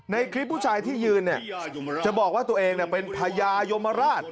ในคลิปผู้ชายที่ยืนเนี่ยจะบอกว่าตัวเองเป็นพญายมราช